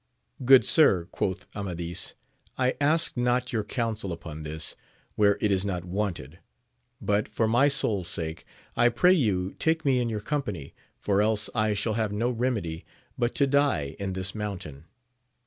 Grood sir, quoth Amadis, I ask not your counsel upon this, where it is not wanted j but, for my soul's sake, I pray you take me in your company, for else I shall have no remedy, but to die in this mountain.